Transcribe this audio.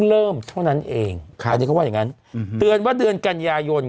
เริ่มเท่านั้นเองอันนี้เขาว่าอย่างงั้นอืมเตือนว่าเดือนกันยายน